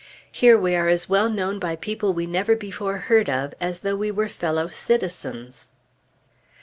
Here we are as well known by people we never before heard of as though we were fellow citizens.